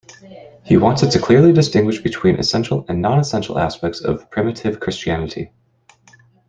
He wanted to clearly distinguish between essential and non-essential aspects of primitive Christianity.